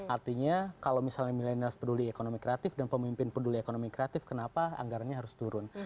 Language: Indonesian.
artinya kalau misalnya milenials peduli ekonomi kreatif dan pemimpin peduli ekonomi kreatif kenapa anggarannya harus turun